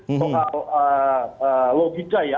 ini mungkin soal logika ya